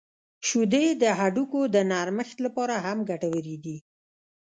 • شیدې د هډوکو د نرمښت لپاره هم ګټورې دي.